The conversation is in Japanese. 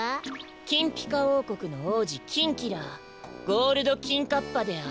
キンピカおうこくの王子キンキラゴールドキンカッパである！